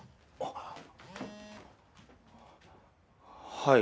はい。